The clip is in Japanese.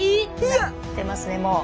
なってますねもう。